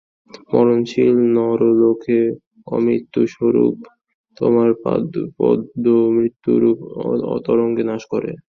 মরণশীল নরলোকে অমৃতস্বরূপ তোমার পাদপদ্ম মৃত্যুরূপ তরঙ্গকে নাশ করে।